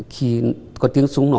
khi có tiếng súng nổ